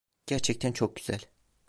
Gerçekten çok güzel.